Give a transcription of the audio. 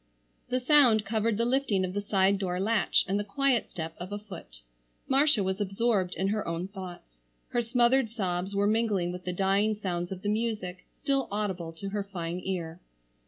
The sound covered the lifting of the side door latch and the quiet step of a foot. Marcia was absorbed in her own thoughts. Her smothered sobs were mingling with the dying sounds of the music, still audible to her fine ear.